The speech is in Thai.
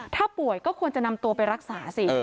ถ้าป่วยก็ควรจะนำตัวไปรักษาสิ